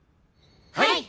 はい！